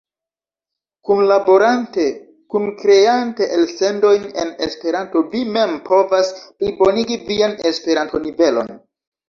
Kunlaborante, kunkreante elsendojn en Esperanto, vi mem povas plibonigi vian Esperanto-nivelon.